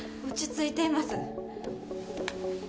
落ち着いています。